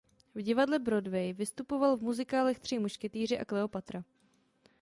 V divadle Broadway vystupoval v muzikálech Tři mušketýři a Kleopatra.